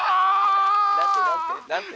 「何て何て？